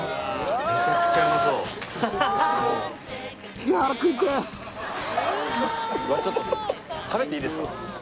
めちゃくちゃうまそうちょっと食べていいですか？